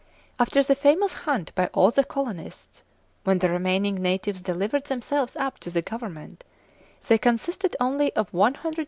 After the famous hunt by all the colonists, when the remaining natives delivered themselves up to the government, they consisted only of 120 individuals (37.